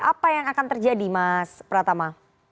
apa yang akan terjadi mas pratama